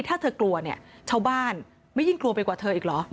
ถ้าเธอกลัวเนี่ยชาวบ้านไม่ยิ่งกลัวไปกว่าเธออีกเหรอ